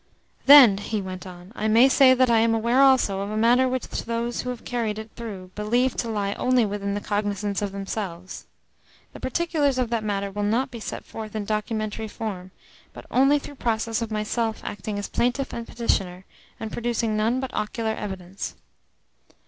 "Then," he went on, "I may say that I am aware also of a matter which those who have carried it through believe to lie only within the cognisance of themselves. The particulars of that matter will not be set forth in documentary form, but only through process of myself acting as plaintiff and petitioner, and producing none but ocular evidence."